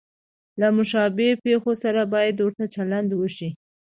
له مشابه پېښو سره باید ورته چلند وشي.